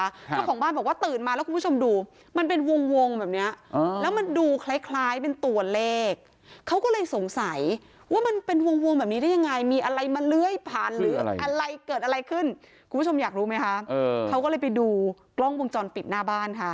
เจ้าของบ้านบอกว่าตื่นมาแล้วคุณผู้ชมดูมันเป็นวงวงแบบเนี้ยแล้วมันดูคล้ายคล้ายเป็นตัวเลขเขาก็เลยสงสัยว่ามันเป็นวงวงแบบนี้ได้ยังไงมีอะไรมาเลื้อยผ่านหรืออะไรเกิดอะไรขึ้นคุณผู้ชมอยากรู้ไหมคะเขาก็เลยไปดูกล้องวงจรปิดหน้าบ้านค่ะ